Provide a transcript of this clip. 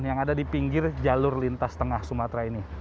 yang ada di pinggir jalur lintas tengah sumatera ini